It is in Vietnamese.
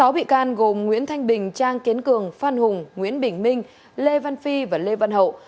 sáu bị can gồm nguyễn thanh bình trang kiến cường phan hùng nguyễn bình minh lê văn phi và lê văn hậu